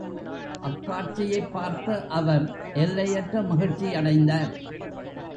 அக்காட்சியைப்பார்த்து அவர் எல்லையற்ற மகிழ்ச்சியடைந்தார்.